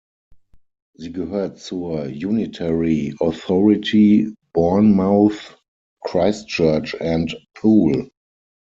Sie gehört zur Unitary Authority Bournemouth, Christchurch and Poole.